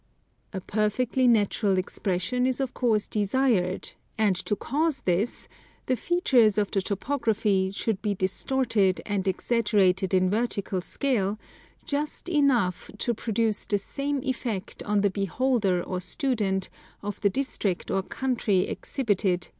"A perfectly natural expression is of course desired ; and to cause this the features of the topography should be distorted and exag gerated in vertical scale just enough to produce the same effect on the beholder or student of the district of country exhibited *See plate from " Butler's Complete Geography."